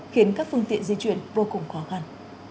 khiến các phương tiện di chuyển vô cùng khó khăn